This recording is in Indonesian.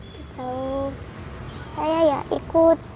sejauh saya ya ikut